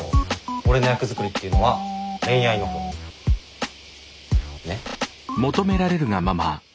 俺の役作りっていうのは恋愛のほう。ね？